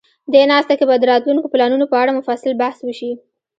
دې ناسته کې به د راتلونکو پلانونو په اړه مفصل بحث وشي.